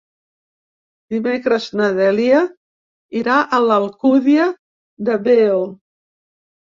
Dimecres na Dèlia irà a l'Alcúdia de Veo.